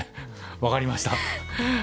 分かりました。